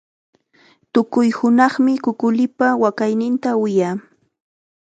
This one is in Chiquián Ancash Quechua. Tukuy hunaqmi kukulipa waqayninta wiyaa.